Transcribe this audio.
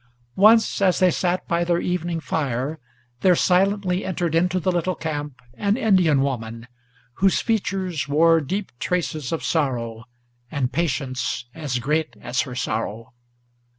Once, as they sat by their evening fire, there silently entered Into the little camp an Indian woman, whose features Wore deep traces of sorrow, and patience as great as her sorrow.